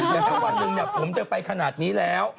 แต่ถ้าวันหนึ่งผมจะไปขนาดนี้แล้ว